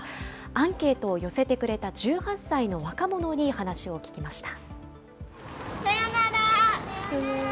アンケートを寄せてくれた１８歳の若者に話を聞きました。